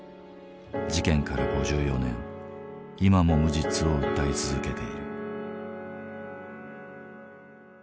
事件から５４年今も無実を訴え続けている。